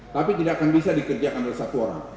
tapi tidak akan bisa dikerjakan oleh satu orang